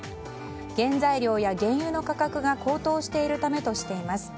原材料や原油の価格が高騰しているためとしています。